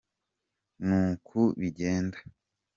nuku bigenda.